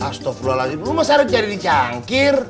astagfirullahaladzim lo masih hari cari di cangkir